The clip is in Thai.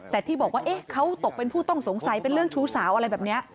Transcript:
แต่ที่บอกว่าเขาตกเป็นผู้ต้องสงสัยเป็นเรื่องชู้สาวอะไรแบบนี้